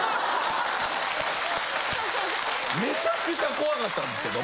めちゃくちゃ怖かったんですけども。